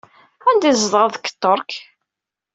Anda i tzedɣeḍ deg Ṭṭerk?